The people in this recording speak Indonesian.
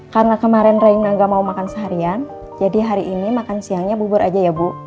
karena kemarin reina gak mau makan seharian jadi hari ini makan siangnya bubur aja ya bu